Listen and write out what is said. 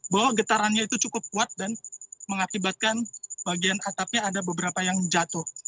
bahwa getarannya itu cukup kuat dan mengakibatkan bagian atapnya ada beberapa yang jatuh